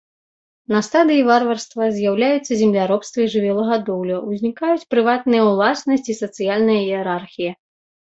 На стадыі варварства з'яўляюцца земляробства і жывёлагадоўля, узнікаюць прыватная ўласнасць і сацыяльная іерархія.